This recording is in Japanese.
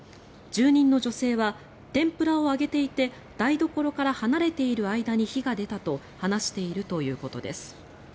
住人の女性は天ぷらを揚げていて台所から離れている間に火が出たと話しているということです。